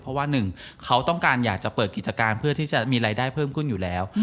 เพราะว่าหนึ่งเขาต้องการอยากจะเปิดกิจการเพื่อที่จะมีรายได้เพิ่มขึ้นอยู่แล้ว